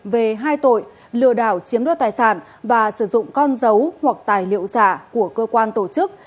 về hai tội lừa đảo chiếm đoạt tài sản và sử dụng con dấu hoặc tài liệu giả của cơ quan tổ chức